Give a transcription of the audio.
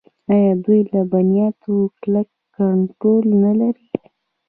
آیا دوی د لبنیاتو کلک کنټرول نلري؟